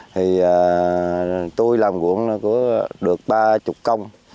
thì tôi làm ruộng được ba mươi công